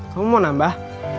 kamu mau nambah